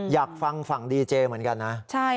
อยากฟังฝั่งดีเจเหมือนกันนะ